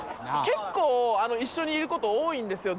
結構一緒にいること多いんですよ